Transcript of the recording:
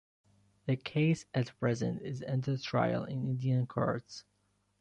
The case at present is under trial in Indian courts.